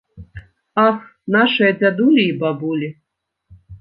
Ах, нашыя дзядулі і бабулі!